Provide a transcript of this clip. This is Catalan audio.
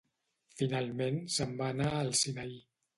Finalment se'n va anar al Sinaí.